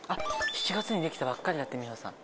７月にできたばっかりだって美穂さん。